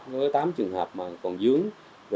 với tám trường hợp mà còn dướng